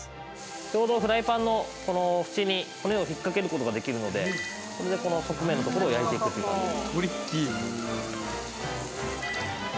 ちょうどフライパンのこの縁に骨を引っかける事ができるのでこれでこの側面のところを焼いていくという感じです。